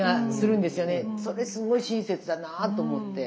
それすごい親切だなぁと思って。